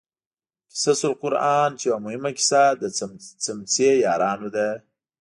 قصص القران کې یوه مهمه قصه د څمڅې یارانو ده.